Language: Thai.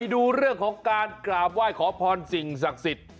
ดูเรื่องของการกราบไหว้ขอพรสิ่งศักดิ์สิทธิ์